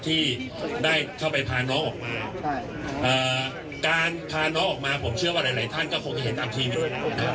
ที่ได้เข้าไปพาน้องออกมาการพาน้องออกมาผมเชื่อว่าหลายหลายท่านก็คงจะเห็นตามทีมด้วยนะครับ